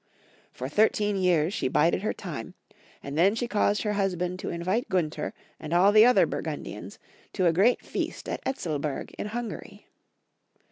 For thirteen years she bided her time, and then she caused her husband to invite Gunther and all the other Burgundians to a great feast at Etzelburg in Hungary.